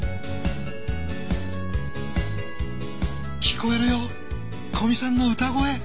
聴こえるよ古見さんの歌声！